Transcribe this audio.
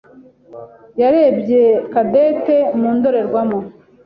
yarebye Cadette mu ndorerwamo.